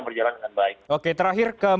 berjalan dengan baik oke terakhir ke